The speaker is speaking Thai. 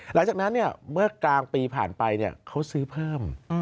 หลังจากนั้นเมื่อกลางปีผ่านไปเขาซื้อเพิ่ม